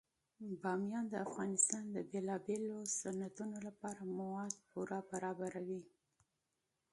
بامیان د افغانستان د بیلابیلو صنعتونو لپاره مواد پوره برابروي.